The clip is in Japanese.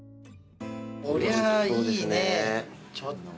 こりゃあいいねちょっと。